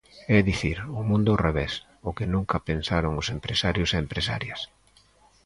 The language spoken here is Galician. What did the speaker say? É dicir, o mundo ao revés, o que nunca pensaron os empresarios e empresarias.